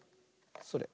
それ。